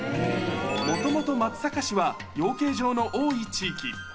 もともと松阪市は養鶏場の多い地域。